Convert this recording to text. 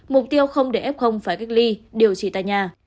mục tiêu không để f phải cách ly điều trị tại nhà